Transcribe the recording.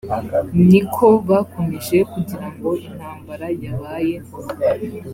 ni ko bakomeje kugira ngo intambara yabaye